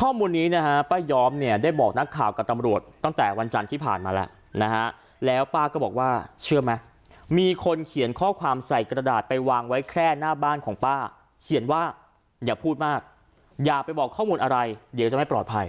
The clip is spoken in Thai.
ข้อมูลนี้นะฮะป้าย้อมเนี่ยได้บอกนักข่าวกับตำรวจตั้งแต่วันจันทร์ที่ผ่านมาแล้วนะฮะแล้วป้าก็บอกว่าเชื่อไหมมีคนเขียนข้อความใส่กระดาษไปวางไว้แค่หน้าบ้านของป้าเขียนว่าอย่าพูดมากอย่าไปบอกข้อมูลอะไรเดี๋ยวจะไม่ปลอดภัย